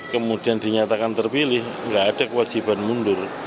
kemudian dinyatakan terpilih nggak ada kewajiban mundur